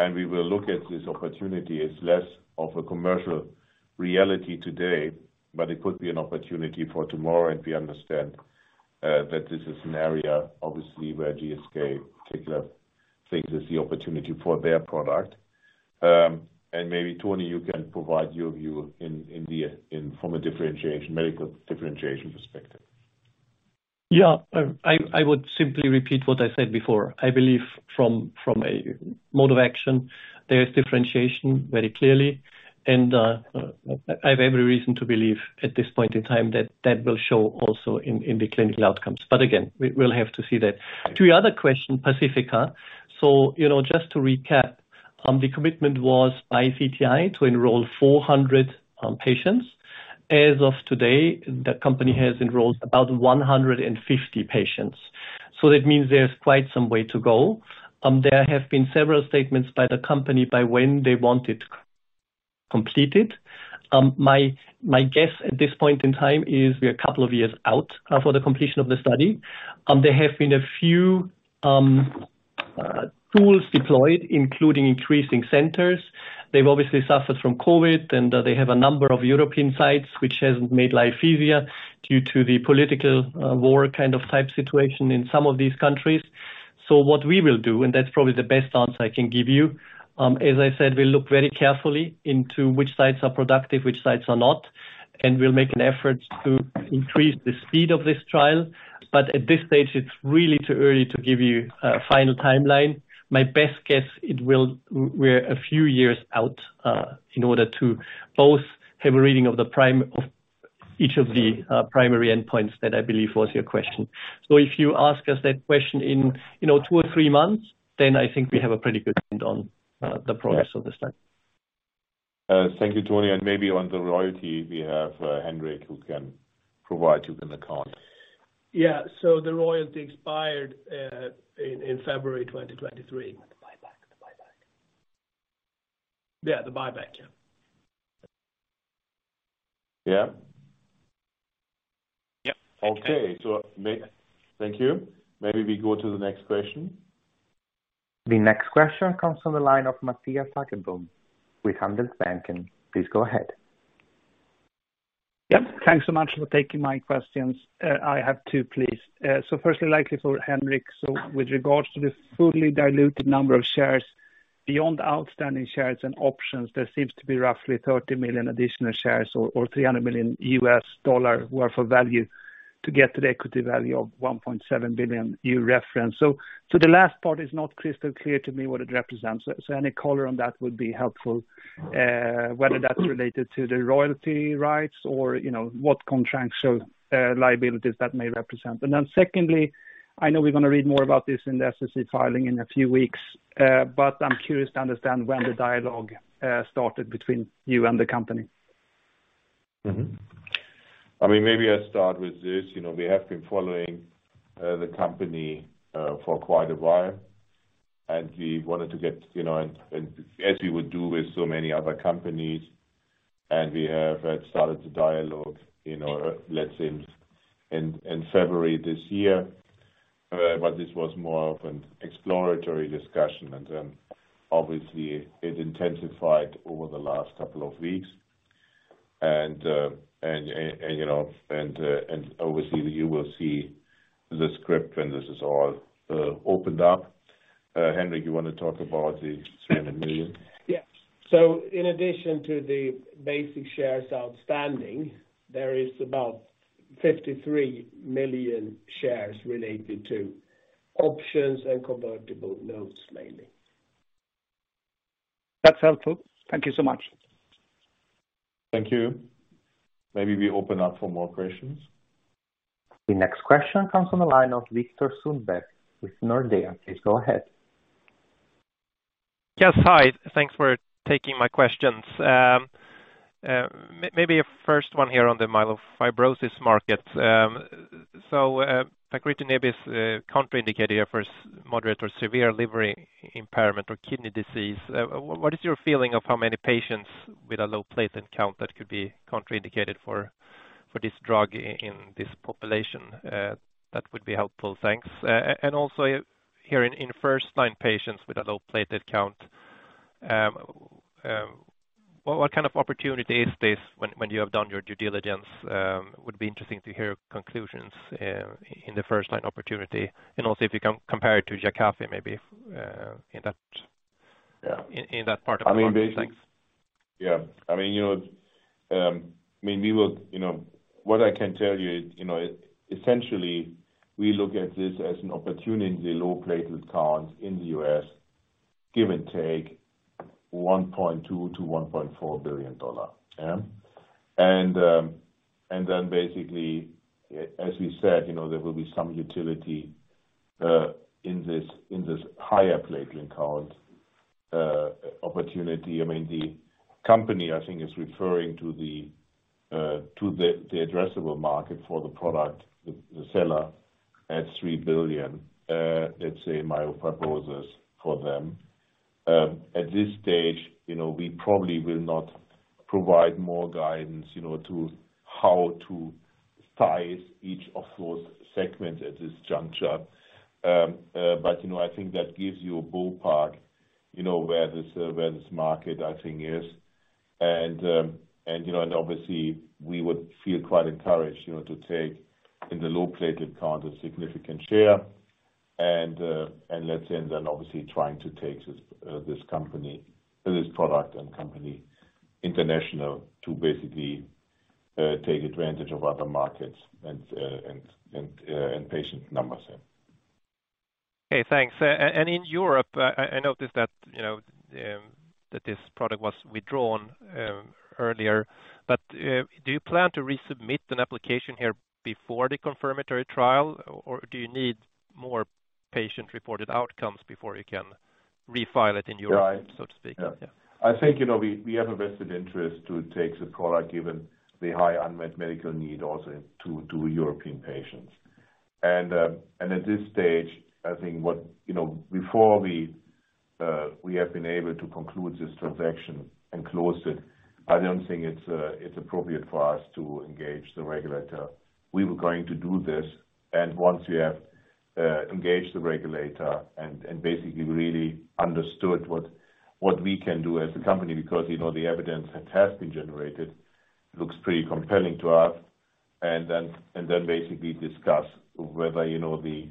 and we will look at this opportunity as less of a commercial reality today, but it could be an opportunity for tomorrow, and we understand that this is an area obviously where GSK in particular thinks is the opportunity for their product. Maybe, Tony, you can provide your view in the, in from a differentiation, medical differentiation perspective. Yeah. I would simply repeat what I said before. I believe from a mode of action, there is differentiation very clearly. I have every reason to believe at this point in time that that will show also in the clinical outcomes. Again, we'll have to see that. To your other question, PACIFICA. You know, just to recap, the commitment was by CTI to enroll 400 patients. As of today, the company has enrolled about 150 patients. That means there's quite some way to go. There have been several statements by the company by when they want it completed. My guess at this point in time is we're a couple of years out for the completion of the study. There have been a few tools deployed, including increasing centers. They've obviously suffered from COVID, and they have a number of European sites which hasn't made life easier due to the political war kind of type situation in some of these countries. What we will do, and that's probably the best answer I can give you, as I said, we look very carefully into which sites are productive, which sites are not, and we'll make an effort to increase the speed of this trial. At this stage, it's really too early to give you a final timeline. My best guess, we're a few years out in order to both have a reading of each of the primary endpoints that I believe was your question. If you ask us that question in, you know, two or three months, then I think we have a pretty good read on the progress of the study. Thank you, Tony. Maybe on the royalty, we have Henrik, who can provide you with an account. Yeah. The royalty expired in February 2023. The buyback. The buyback. Yeah, the buyback. Yeah. Yeah. Yep. Okay. Next. Thank you. Maybe we go to the next question. The next question comes from the line of Mattias Häggblom with Handelsbanken. Please go ahead. Yep. Thanks so much for taking my questions. I have two, please. Firstly, likely for Henrik. With regards to the fully diluted number of shares beyond outstanding shares and options, there seems to be roughly 30 million additional shares or $300 million worth of value to get to the equity value of $1.7 billion you referenced. The last part is not crystal clear to me what it represents. Any color on that would be helpful, whether that's related to the royalty rights or, you know, what contractual liabilities that may represent. Secondly, I know we're gonna read more about this in the SEC filing in a few weeks. I'm curious to understand when the dialogue started between you and the company. I mean, maybe I start with this, you know. We have been following the company for quite a while, and we wanted to get, you know, and as we would do with so many other companies, and we have started the dialogue, you know, let's say in February this year. This was more of an exploratory discussion and then obviously it intensified over the last couple of weeks. You know, and obviously you will see the script when this is all opened up. Henrik, you wanna talk about the 70 million? Yes. In addition to the basic shares outstanding, there is about 53 million shares related to options and convertible notes, mainly. That's helpful. Thank you so much. Thank you. Maybe we open up for more questions. The next question comes from the line of Viktor Sundberg with Nordea. Please go ahead. Yes. Hi. Thanks for taking my questions. maybe a first one here on the myelofibrosis market. pacritinib is contraindicated for moderate or severe liver impairment or kidney disease. What is your feeling of how many patients with a low platelet count that could be contraindicated for this drug in this population? That would be helpful. Also here in first line patients with a low platelet count, what kind of opportunity is this when you have done your due diligence? Would be interesting to hear conclusions in the first line opportunity and also if you compare it to Jakavi maybe in that. Yeah. In that part of the world. Thanks. What I can tell you is, you know, essentially we look at this as an opportunity, low platelet count in the U.S., give and take $1.2 billion-$1.4 billion. Basically, as we said, you know, there will be some utility in this, in this higher platelet count opportunity. The company, I think, is referring to the addressable market for the product, the seller at $3 billion, let's say myelofibrosis for them. At this stage, you know, we probably will not provide more guidance, you know, to how to size each of those segments at this juncture. You know, I think that gives you a ballpark, you know, where this market, I think, is. You know, and obviously we would feel quite encouraged, you know, to take in the low platelet count a significant share and let's say, and then obviously trying to take this company, this product and company international to basically take advantage of other markets and patient numbers. Okay. Thanks. In Europe, I noticed that, you know, that this product was withdrawn earlier. Do you plan to resubmit an application here before the confirmatory trial, or do you need more patient-reported outcomes before you can refile it in Europe? Yeah. To speak? Yeah. I think, you know, we have a vested interest to take the product given the high unmet medical need also to European patients. At this stage, I think what, you know, before we have been able to conclude this transaction and close it, I don't think it's appropriate for us to engage the regulator. We were going to do this and once we have engaged the regulator and basically really understood what we can do as a company, because, you know, the evidence that has been generated looks pretty compelling to us. Then basically discuss whether, you know, the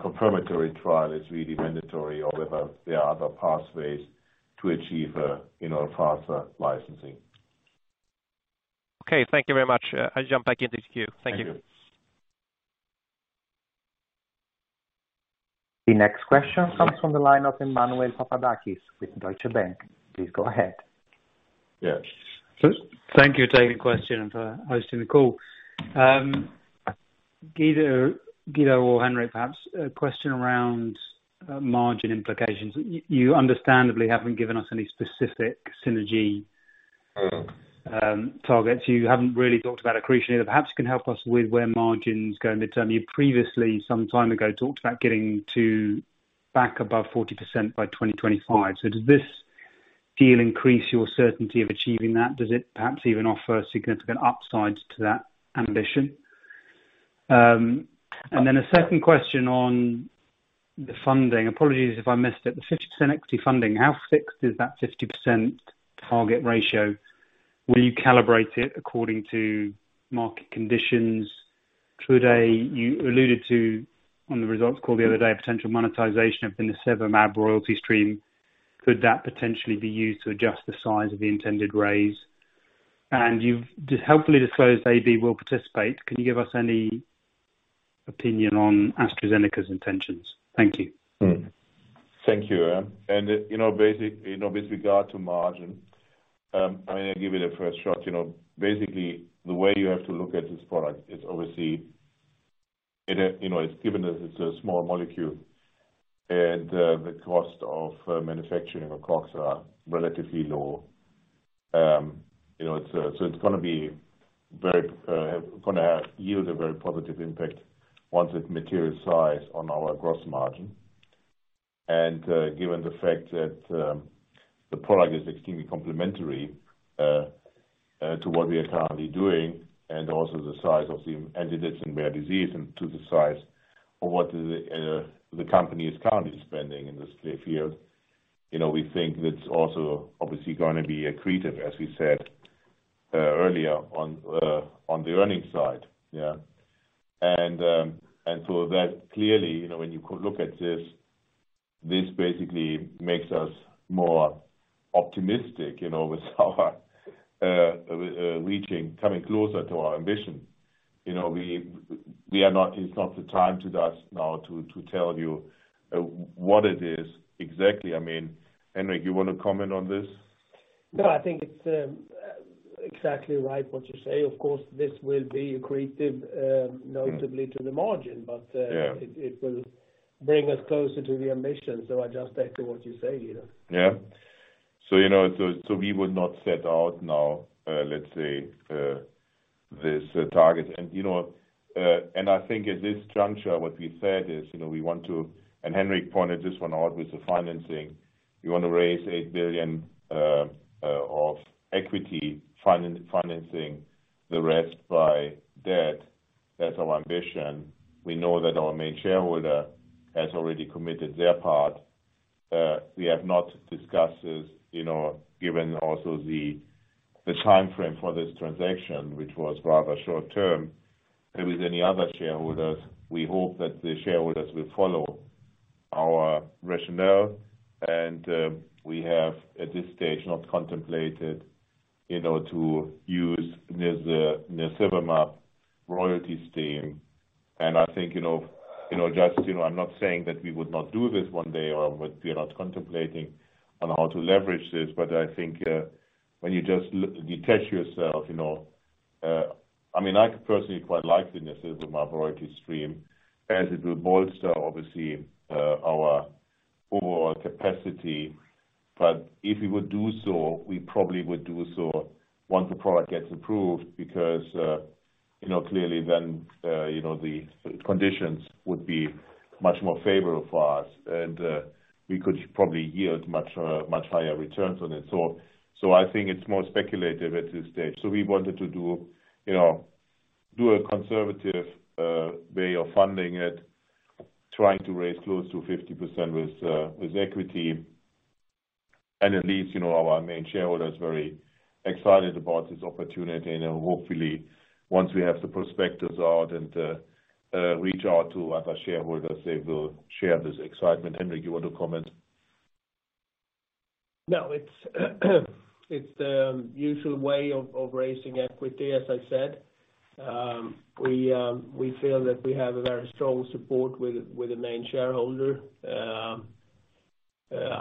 confirmatory trial is really mandatory or whether there are other pathways to achieve, you know, faster licensing. Okay. Thank you very much. I'll jump back in the queue. Thank you. Thank you. The next question comes from the line of Emmanuel Papadakis with Deutsche Bank. Please go ahead. Yes. Thank you for taking the question and for hosting the call. Guido or Henrik, perhaps a question around margin implications. You understandably haven't given us any specific synergy-. Mm-hmm. Targets. You haven't really talked about accretion either. Perhaps you can help us with where margins go midterm. You previously, some time ago, talked about getting to back above 40% by 2025. Does this deal increase your certainty of achieving that? Does it perhaps even offer significant upside to that ambition? A second question on the funding. Apologies if I missed it. The 50% equity funding. How fixed is that 50% target ratio? Will you calibrate it according to market conditions? You alluded to, on the results call the other day, a potential monetization of the nirsevimab royalty stream. Could that potentially be used to adjust the size of the intended raise? You've helpfully disclosed AB will participate. Can you give us any opinion on AstraZeneca's intentions? Thank you. Mm-hmm. Thank you, and, you know, with regard to margin, I mean, I'll give you the first shot. You know, basically, the way you have to look at this product is obviously it, you know, it's given that it's a small molecule and the cost of manufacturing of COGS are relatively low. So it's gonna be very, gonna yield a very positive impact once it materializes on our gross margin. Given the fact that the product is extremely complementary to what we are currently doing and also the size of the indication rare disease and to the size of what the company is currently spending in this therapy field. You know, we think that's also obviously gonna be accretive, as we said, earlier on the earnings side. Yeah. That clearly, you know, when you could look at this basically makes us more optimistic, you know, with our, reaching, coming closer to our ambition. You know, It's not the time to just now to tell you, what it is exactly. I mean, Henrik, you wanna comment on this? I think it's exactly right what you say. This will be accretive, notably to the margin. Yeah. It will bring us closer to the ambition. I just echo what you say, you know. Yeah. you know, we would not set out now, let's say, this target. you know, I think at this juncture, what we said is, you know, Henrik pointed this one out with the financing. We wanna raise 8 billion of equity financing the rest by debt. That's our ambition. We know that our main shareholder has already committed their part. We have not discussed this, you know, given also the timeframe for this transaction, which was rather short term with any other shareholders. We hope that the shareholders will follow our rationale. We have, at this stage, not contemplated, you know, to use the nirsevimab royalty stream. I think, you know, just, you know, I'm not saying that we would not do this one day or we're not contemplating on how to leverage this, but I think, when you just detach yourself, you know. I mean, I could personally quite like the nirsevimab royalty stream as it will bolster obviously, our overall capacity. If we would do so, we probably would do so once the product gets approved because, you know, clearly then, you know, the conditions would be much more favorable for us and, we could probably yield much higher returns on it. I think it's more speculative at this stage. We wanted to do, you know, a conservative way of funding it, trying to raise close to 50% with equity. At least, you know, our main shareholder is very excited about this opportunity. Hopefully once we have the perspectives out and reach out to other shareholders, they will share this excitement. Henrik, you want to comment? No, it's the usual way of raising equity, as I said. We feel that we have a very strong support with the main shareholder,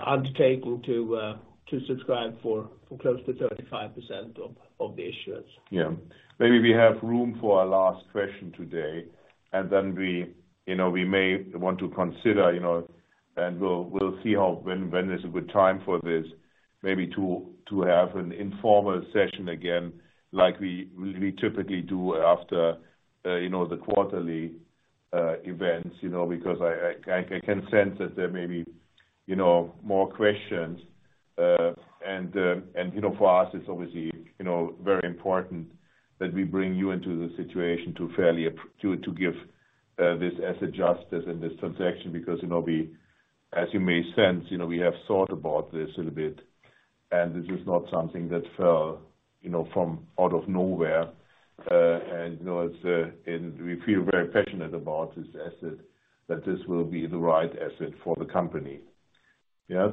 undertaking to subscribe for close to 35% of the issuance. Yeah. Maybe we have room for a last question today, and then we, you know, we may want to consider, you know, and we'll see how, when is a good time for this maybe to have an informal session again like we typically do after, you know, the quarterly events. You know, because I can sense that there may be, you know, more questions. You know, for us it's obviously, you know, very important that we bring you into the situation to fairly, to give this asset justice in this transaction. You know, As you may sense, you know, we have thought about this a little bit, and this is not something that fell, you know, from out of nowhere. you know, it's, and we feel very passionate about this asset, that this will be the right asset for the company. Yeah.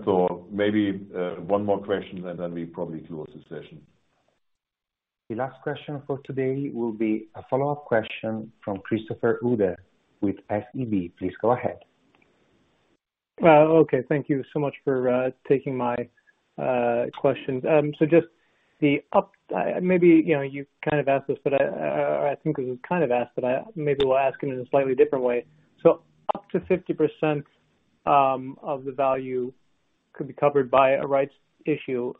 maybe, one more question and then we probably close the session. The last question for today will be a follow-up question from Christopher Uhde with SEB. Please go ahead. Okay. Thank you so much for taking my question. Just maybe, you know, you kind of asked this, but I think it was kind of asked, but maybe we'll ask it in a slightly different way. Up to 50% of the value could be covered by a rights issue.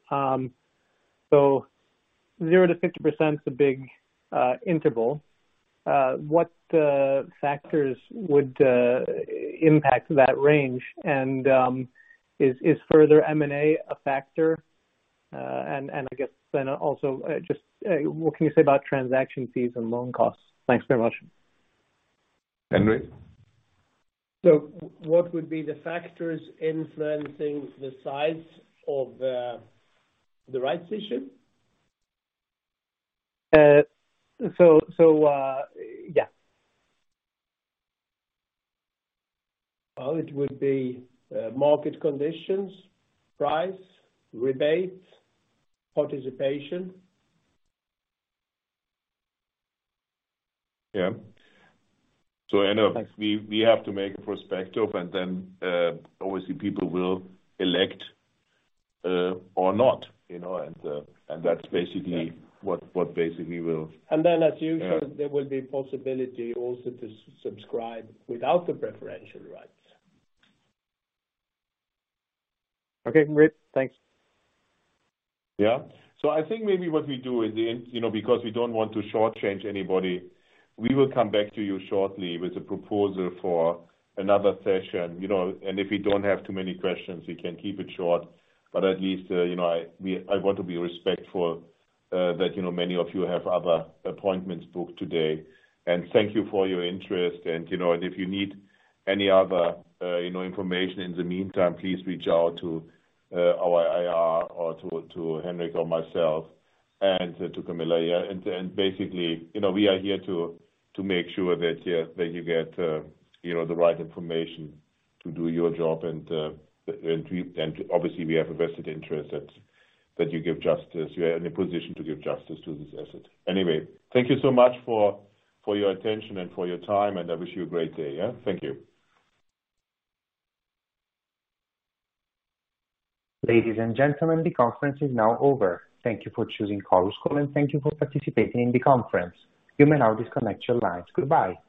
0%-50% is a big interval. What factors would impact that range? Is further M&A a factor? And I guess then also, just what can you say about transaction fees and loan costs? Thanks very much. Henrik. What would be the factors influencing the size of the rights issue? Yeah. It would be market conditions, price, rebates, participation. Yeah. Thanks. We have to make a perspective and then, obviously people will elect, or not, you know. That's basically what basically. And then as usual. Yeah. There will be possibility also to subscribe without the preferential rights. Okay, great. Thanks. Yeah. I think maybe what we do at the end, you know, because we don't want to shortchange anybody, we will come back to you shortly with a proposal for another session, you know. If you don't have too many questions, we can keep it short. At least, you know, I want to be respectful that, you know, many of you have other appointments booked today. Thank you for your interest. You know, if you need any other, you know, information in the meantime, please reach out to our IR or to Henrik or myself and to Camilla. Yeah. Basically, you know, we are here to make sure that you get, you know, the right information to do your job. Obviously we have a vested interest that you give justice. You are in a position to give justice to this asset. Anyway, thank you so much for your attention and for your time, I wish you a great day. Yeah. Thank you. Ladies and gentlemen, the conference is now over. Thank you for choosing Chorus Call, and thank you for participating in the conference. You may now disconnect your lines. Goodbye.